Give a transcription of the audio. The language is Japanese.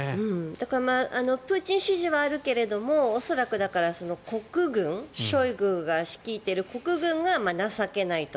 だからプーチン支持はあるけれども恐らく、だから国軍ショイグが率いている国軍が情けないと。